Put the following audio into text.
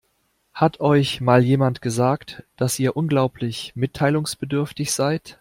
Hat euch mal jemand gesagt, dass ihr unglaublich mitteilungsbedürftig seid?